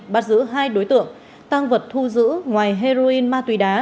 bắt giữ hai đối tượng tăng vật thu giữ ngoài heroin ma túy đá